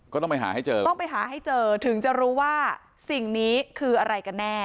ก็ต้องไปหาให้เจอถึงจะรู้ว่าสิ่งนี้คืออะไรกันแน่